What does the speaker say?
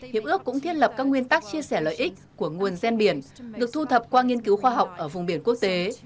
hiệp ước cũng thiết lập các nguyên tắc chia sẻ lợi ích của nguồn gen biển được thu thập qua nghiên cứu khoa học ở vùng biển quốc tế